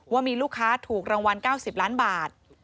ว่ามีลูกค้าถูกรางวัล๙๐ล้านบาท